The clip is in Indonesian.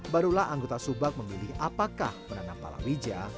barulah anggota subak memilih apakah menanam palawija